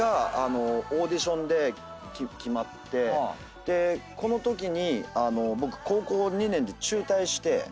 でこのときに僕高校２年で中退して。